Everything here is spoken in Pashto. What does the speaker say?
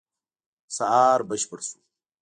سهار بشپړ شو.